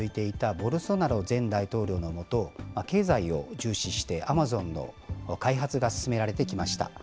ボルソナロ前大統領の下、経済を重視して、アマゾンの開発が進められてきました。